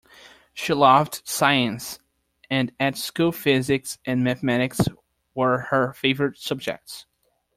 She loved science, and at school physics and mathematics were her favourite subjects